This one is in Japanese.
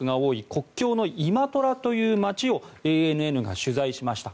国境のイマトラという街をＡＮＮが取材しました。